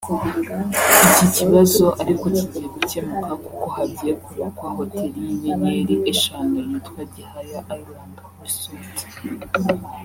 Iki kibazo ariko kigiye gukemuka kuko hagiye kubakwa Hotel y’inyenyeri eshanu yitwa “Gihaya Island Resort”